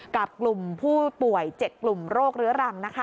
กับกลุ่มผู้ป่วย๗กลุ่มโรคเรื้อรัง